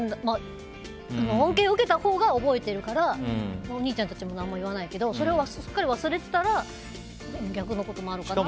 恩恵を受けたほうが覚えてるから、お兄ちゃんたちもあんまり言わないけどそれをすっかり忘れてたら逆のこともあるかなって。